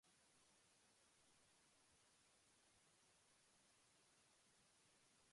È indicato anche come il "protocollo sul contrabbando".